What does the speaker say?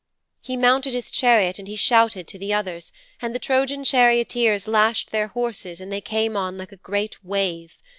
'He mounted his chariot and he shouted to the others, and the Trojan charioteers lashed their horses and they came on like a great wave.